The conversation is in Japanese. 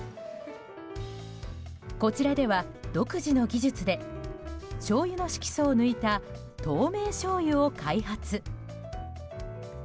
こちらでは独自の技術で醤油の色素を抜いた透明醤油を開発。